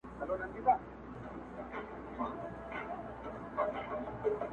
شګوفې وغوړیږي ښکلي سي سبا ته نه وي!.